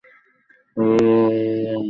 শরীরের প্রদাহজনিত রোগ কমাতে এটি ভালো কাজে দেয়।